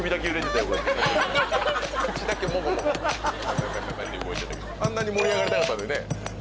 あんなに盛り上がりたかったのにね